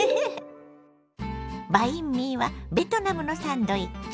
バインミーはベトナムのサンドイッチ。